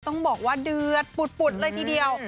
ต้องบอกว่าเดือดปุดเลยทีเดียว